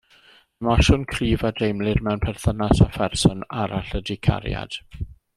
Emosiwn cryf a deimlir mewn perthynas â pherson arall ydy cariad.